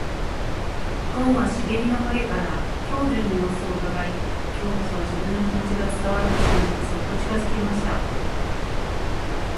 ごんは茂みの影から兵十の様子をうかがい、今日こそは自分の気持ちが伝わると信じてそっと近づきました。